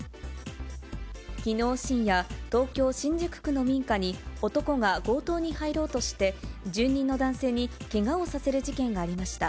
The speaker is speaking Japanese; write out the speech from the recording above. きのう深夜、東京・新宿区の民家に、男が強盗に入ろうとして、住人の男性にけがをさせる事件がありました。